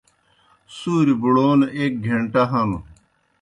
سُوریْ بُڑَون ایْک گھنٹہ ہنوْ۔